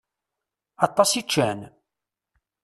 Aṭas i ččan?